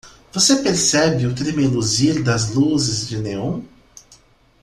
Você percebe o tremeluzir das luzes de néon?